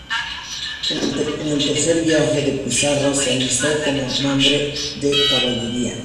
En el Tercer Viaje de Pizarro se alistó como hombre de caballería.